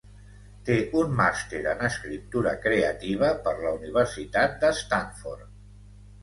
Té un màster en Escriptura Creativa per la Universitat de Stanford.